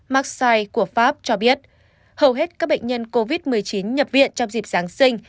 maxsai của pháp cho biết hầu hết các bệnh nhân covid một mươi chín nhập viện trong dịp giáng sinh